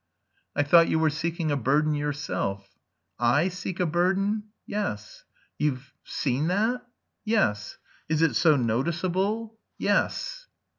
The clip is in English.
"I thought you were seeking a burden yourself." "I seek a burden?" "Yes." "You've... seen that?" "Yes." "Is it so noticeable?" "Yes."